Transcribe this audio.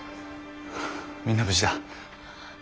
みんな無事だ！